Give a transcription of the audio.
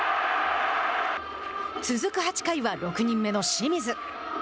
続く８回は６人目の清水。